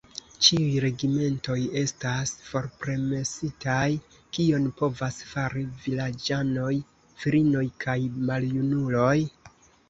Ĉiuj regimentoj estas forpermesitaj, kion povas fari vilaĝanoj, virinoj kaj maljunuloj?